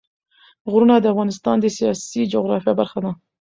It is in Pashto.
غرونه د افغانستان د سیاسي جغرافیه برخه ده.